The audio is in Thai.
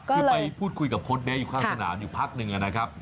คือไปพูดคุยกับโค้ดเบ๊อยู่ข้างสนามอยู่พักหนึ่งนะครับ